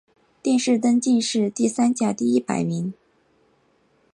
殿试登进士第三甲第一百名。